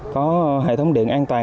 có hệ thống điện an toàn